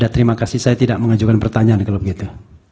terima kasih saya tidak mengajukan pertanyaan kalau begitu